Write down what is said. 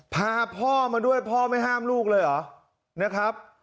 พาพ่อมาด้วยพ่อไม่ห้ามลูกเลยเหรอนะครับ